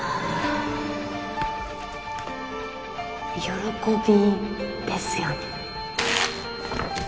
「喜び」ですよね？